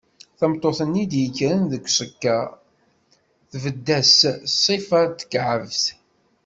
Tameṭṭut-nni i d-yekkren seg uẓekka, tbedd-d s ṣṣifa n tekɛebt.